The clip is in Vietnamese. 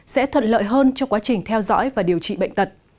sẽ thuận lợi hơn cho quá trình theo dõi và điều trị bệnh tật